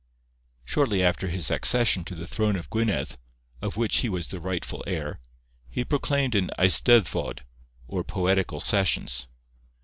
Shortly after his accession to the throne of Gwynedd, of which he was the rightful heir, he proclaimed an eisteddfod, or poetical sessions.